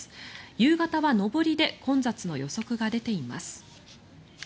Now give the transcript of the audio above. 夕方は上りで混雑の予測が出ています。